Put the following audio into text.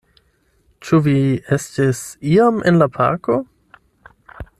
Ĉu vi estis iam en la parko?